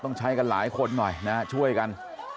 ต้องใช้กันหลายคนหน่อยนะฮะช่วยกัน